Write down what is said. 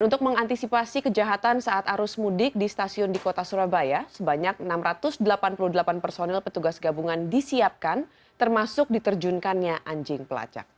untuk mengantisipasi kejahatan saat arus mudik di stasiun di kota surabaya sebanyak enam ratus delapan puluh delapan personil petugas gabungan disiapkan termasuk diterjunkannya anjing pelacak